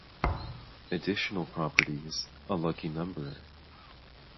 Additional properties: a lucky number.